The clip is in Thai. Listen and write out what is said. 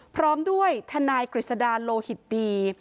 พร้อมด้วยทนายกฤษดาโลหิตดี